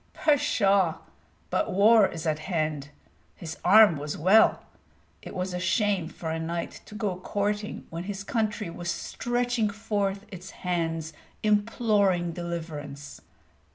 Pshaw! but war is at hand. His arm was well. It was a shame for a knight to go courting when his country was stretching forth its hands imploring deliverance.